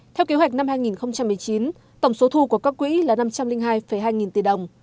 theo kế hoạch năm hai nghìn một mươi chín tổng số thu của các quỹ là năm trăm linh hai hai nghìn tỷ đồng